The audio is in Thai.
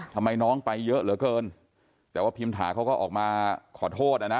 ทำไมน้องไปเยอะเหลือเกินแต่ว่าพิมถาเขาก็ออกมาขอโทษอ่ะนะ